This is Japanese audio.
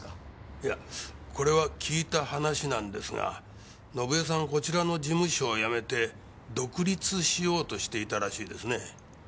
いやこれは聞いた話なんですが伸枝さんはこちらの事務所を辞めて独立しようとしていたらしいですね。